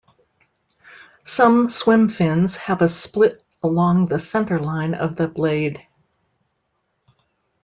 Some swimfins have a split along the centreline of the blade.